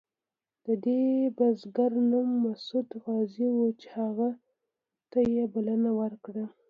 د دې بزرګ نوم مسعود غازي و چې هغه ته یې بلنه ورکړه.